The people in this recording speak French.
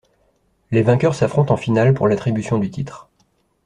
Les vainqueurs s'affrontent en finale pour l'attribution du titre.